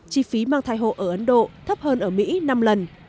chi phí mang thai hộ ở ấn độ thấp hơn ở mỹ năm lần